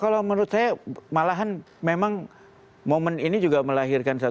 kalau menurut saya malahan memang momen ini juga melahirkan